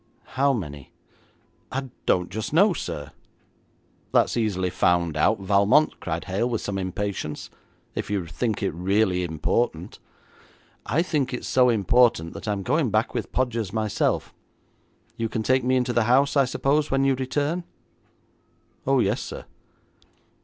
'How many?' 'I don't just know, sir.' 'That's easily found out, Valmont,' cried Hale, with some impatience, 'if you think it really important.' 'I think it so important that I'm going back with Podgers myself. You can take me into the house, I suppose, when you return?' 'Oh, yes, sir.'